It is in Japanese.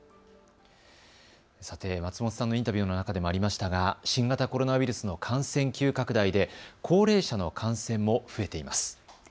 さて松本さんのインタビューの中でもありましたが新型コロナウイルスの感染急拡大で高齢者の感染も増えています。